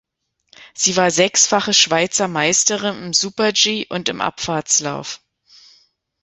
Sie war sechsfache Schweizer Meisterin im Super-G und im Abfahrtslauf.